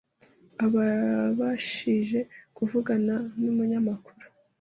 Ababashije kuvugana n’umunyamakuru,